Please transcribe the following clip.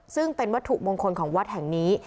ซึ่งเป็นวัตถุมงคลของวัดแห่งนี้